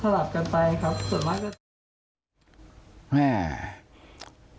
ก็ชลับกันไปครับส่วนมากก็